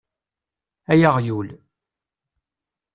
Ay aɣyul!